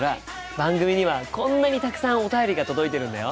番組にはこんなにたくさんお便りが届いているんだよ。